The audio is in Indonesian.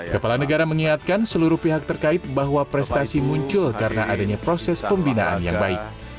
kepala negara mengingatkan seluruh pihak terkait bahwa prestasi muncul karena adanya proses pembinaan yang baik